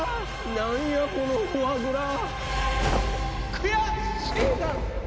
何やこのフォアグラ。